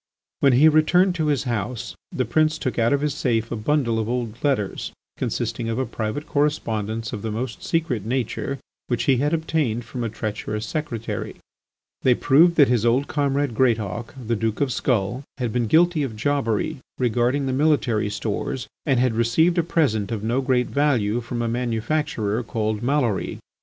When he returned to his house, the prince took out of his safe a bundle of old letters consisting of a private correspondence of the most secret nature, which he had obtained from a treacherous secretary. They proved that his old comrade Greatauk, the Duke of Skull, had been guilty of jobbery regarding the military stores and had received a present of no great value from a manufacturer called Maloury.